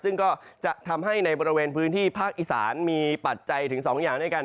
ซึ่งก็จะทำให้ในบริเวณพื้นที่ภาคอีสานมีปัจจัยถึง๒อย่างด้วยกัน